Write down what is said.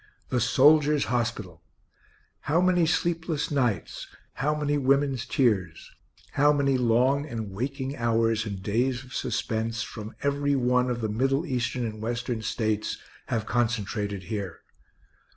The soldier's hospital! how many sleepless nights, how many women's tears, how many long and waking hours and days of suspense, from every one of the Middle, Eastern, and Western States, have concentrated here!